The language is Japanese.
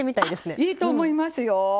あっいいと思いますよ。